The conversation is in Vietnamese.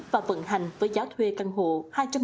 và vận hành với giá thuê căn hộ